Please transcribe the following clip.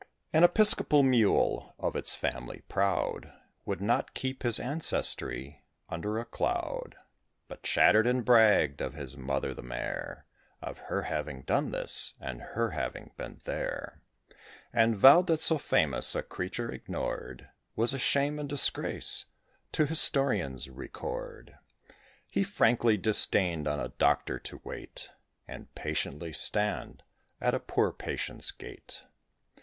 An Episcopal Mule, of its family proud, Would not keep his ancestry under a cloud, But chattered, and bragged of his mother the mare: Of her having done this, and her having been there; And vowed that so famous a creature ignored, Was a shame and disgrace to historian's record. He frankly disdained on a doctor to wait, And patiently stand at a poor patient's gate.